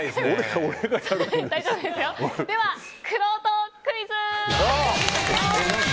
では、くろうとクイズ。